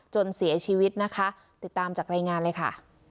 จนเสียชีวิตนะคะติดตามจากรายงานเลยค่ะ